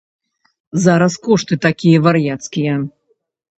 Зараз кошты такія вар'яцкія!